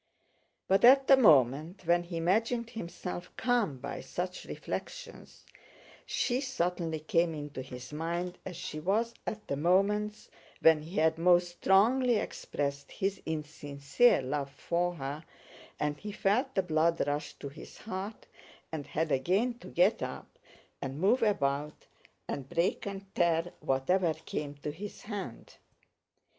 But at the moment when he imagined himself calmed by such reflections, she suddenly came into his mind as she was at the moments when he had most strongly expressed his insincere love for her, and he felt the blood rush to his heart and had again to get up and move about and break and tear whatever came to his hand.